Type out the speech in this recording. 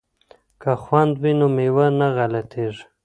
که خوند وي نو مېوه نه غلطیږي.